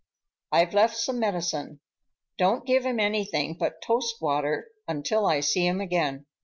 I've left some medicine. Don't give him anything but toast water until I see him again.